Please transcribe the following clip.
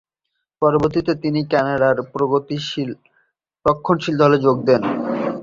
পরবর্তীতে তিনি কানাডার প্রগতিশীল রক্ষণশীল দলে যোগ দেন।